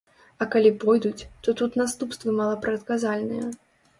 А калі пойдуць, то тут наступствы малапрадказальныя.